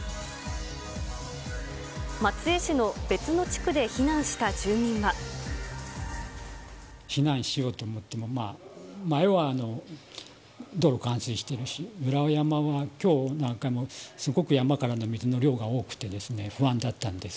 松江市の別の地区で避難した住民避難しようと思っても、前は道路冠水してるし、裏山はきょう、なんかもうすごく山からの水の量が多くて、不安だったんです